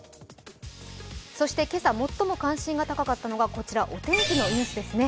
今朝最も関心が高かったのがお天気のニュースですね。